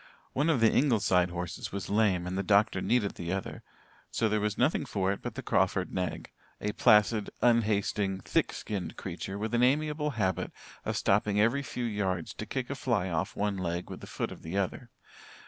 One of the Ingleside horses was lame and the doctor needed the other, so there was nothing for it but the Crawford nag, a placid, unhasting, thick skinned creature with an amiable habit of stopping every few yards to kick a fly off one leg with the foot of the other.